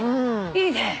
いいね！